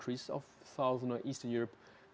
negara utama atau eropa barat